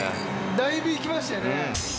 だいぶいきましたよね。